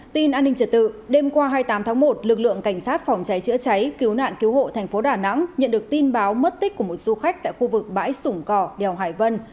tin an ninh trật tự đêm qua hai mươi tám tháng một lực lượng cảnh sát phòng cháy chữa cháy cứu nạn cứu hộ thành phố đà nẵng nhận được tin báo mất tích của một du khách tại khu vực bãi sủng cỏ đèo hải vân